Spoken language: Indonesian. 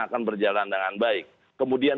akan berjalan dengan baik kemudian